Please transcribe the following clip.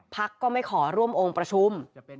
ภักดิ์ก็ไม่ขอร่วมองค์ประชุม